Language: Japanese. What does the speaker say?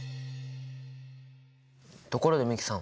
ところで美樹さん